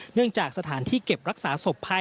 เนื่องจากสถานที่เก็บรักษาศพภาย